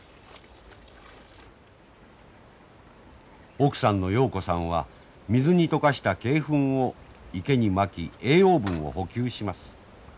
奥さんのようこさんは水に溶かした鶏ふんを池にまき栄養分を補給します。